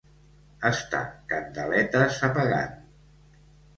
Estar candeletes apagant.